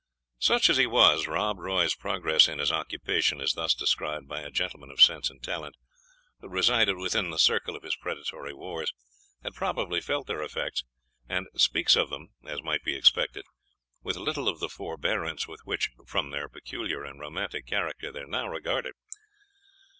Such as he was, Rob Roy's progress in his occupation is thus described by a gentleman of sense and talent, who resided within the circle of his predatory wars, had probably felt their effects, and speaks of them, as might be expected, with little of the forbearance with which, from their peculiar and romantic character, they are now regarded.